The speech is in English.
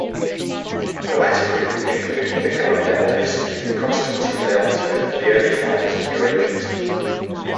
The latter group included Nikolai Danilevsky and Konstantin Leontiev, the early founders of eurasianism.